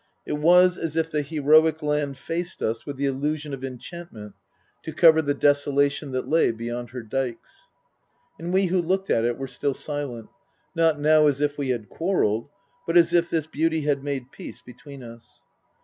It was as if the heroic land faced us with the illusion of enchant ment, to cover the desolation that lay beyond her dykes. And we who looked at it were still silent, not now as if we had quarrelled, but as if this beauty had made peace between us.